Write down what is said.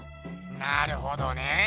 なるほどね。